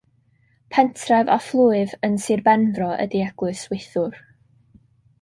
Pentref a phlwyf yn Sir Benfro ydy Eglwys Wythwr.